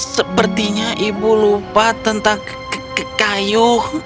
sepertinya ibu lupa tentang kayu